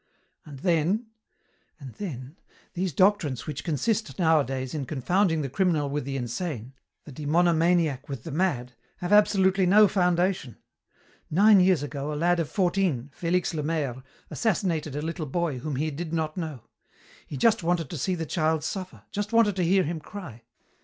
"And then, and then, these doctrines which consist nowadays in confounding the criminal with the insane, the demonomaniac with the mad, have absolutely no foundation. Nine years ago a lad of fourteen, Felix Lemaîre, assassinated a little boy whom he did not know. He just wanted to see the child suffer, just wanted to hear him cry.